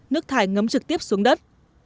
nước thải ngấm trực tiếp xuống đất